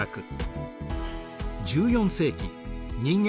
１４世紀人間